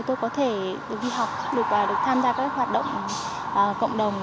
tôi có thể đi học được tham gia các hoạt động cộng đồng